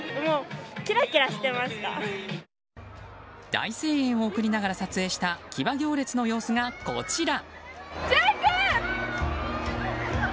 大声援を送りながら撮影した騎馬行列の様子が、こちら。